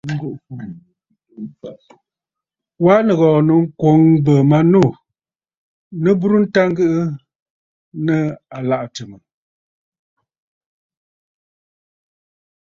Wa nìghɔ̀ɔ̀ nɨ ŋkwǒŋ bə̀ manû nɨ burə nta ŋgɨʼɨ aa nɨ̂ ɨlaʼà tsɨ̀mə̀.